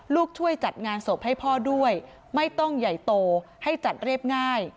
ช่วยจัดงานศพให้พ่อด้วยไม่ต้องใหญ่โตให้จัดเรียบง่าย